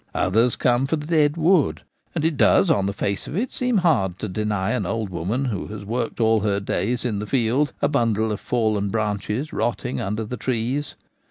Others come for the dead wood ; and it does on the face of it seem hard to deny an old woman who has worked all her days in the field a bundle of fallen branches rotting under the trees.